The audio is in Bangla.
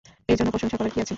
এরজন্য প্রশংসা করার কী আছে?